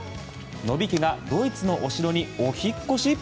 野比家がドイツのお城にお引っ越し。